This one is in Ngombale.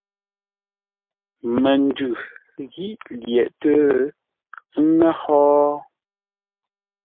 Məndʉ ghí lyəghʼtə́ ə́ ŋə́ hó?